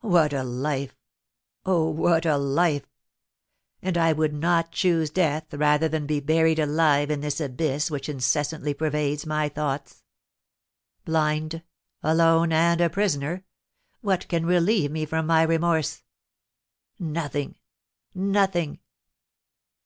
'What a life! Oh, what a life! And I would not choose death rather than be buried alive in this abyss which incessantly pervades my thoughts! Blind, alone, and a prisoner, what can relieve me from my remorse? Nothing, nothing!